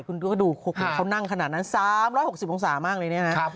คุณดูก็ดูเขานั่งขนาดนั้น๓๖๐องศามากเลยเนี่ยนะ